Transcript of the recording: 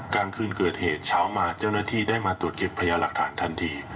กลางคืนเกิดเหตุเช้ามาเจ้าหน้าที่ได้มาตรวจเก็บพยาหลักฐานทันที